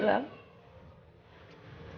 tunangan sama dia